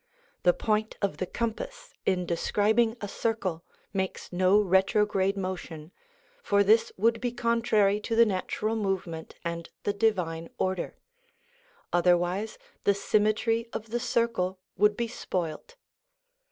The point of the compass in describing a circle makes no retrograde motion, for this would be contrary to the natural move ment and the divine order; otherwise the symmetry of the circle would be spoilt.